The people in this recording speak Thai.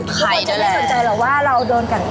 ทุกคนจะไม่สนใจหรอกว่าเราโดนกันแกล้ง